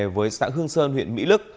với xã hương sơn huyện mỹ lức